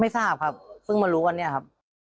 ทราบครับเพิ่งมารู้วันนี้ครับ